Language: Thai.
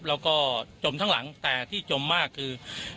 แล้วก็จมทั้งหลังแต่ที่จมมากคือ